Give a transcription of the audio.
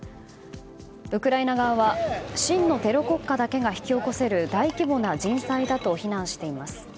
ウクライナ側は真のテロ国家だけが引き起こせる大規模な人災だと非難しています。